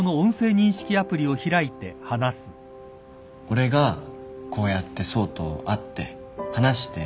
俺がこうやって想と会って話して。